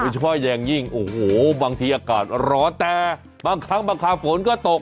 เฉพาะอย่างยิ่งโอ้โหบางทีอากาศร้อนแต่บางครั้งบางครามฝนก็ตก